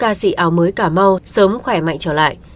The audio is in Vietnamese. cảm ơn ca sĩ áo mới cà mau sớm khỏe mạnh trở lại